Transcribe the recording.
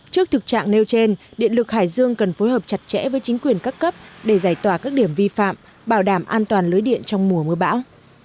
trước thực trạng nêu trên điện lực hải dương cần phối hợp chặt chẽ với chính quyền các cấp để giải tỏa các điểm vi phạm bảo đảm an toàn lưới điện trong mùa mưa bão